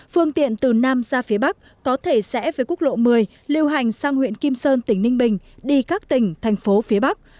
phương tiện từ nam ra phía bắc có thể rẽ với quốc lộ một mươi lưu hành sang huyện kim sơn tỉnh ninh bình đi các tỉnh thành phố phía bắc